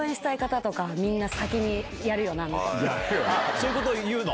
そういうこと言うの？